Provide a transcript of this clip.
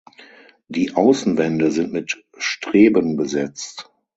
Die Außenwände sind mit Streben besetzt.